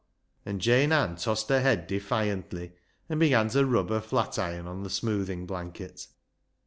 And Jane Ann tossed her head defiantly, and began to rub her flat iron on the smoothing blanket.